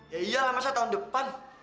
ya iyalah masa tahun depan